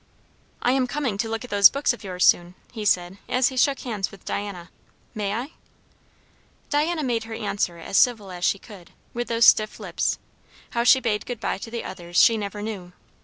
"I am coming to look at those books of yours soon," he said, as he shook hands with Diana. "May I?" Diana made her answer as civil as she could, with those stiff lips; how she bade good bye to the others she never knew.